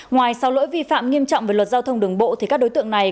ngoài sau lỗi vi phạm nghiêm trọng về luật giao thông đường bộ thì các đối tượng này